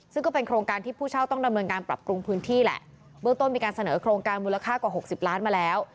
ซึ่งก็เป็นโครงการที่ผู้เช่าต้องดำเนินการปรับปรุงพื้นที่แหละเบื้องต้นมีการเสนอโครงการมูลค่ากว่าหกสิบล้านมาแล้ว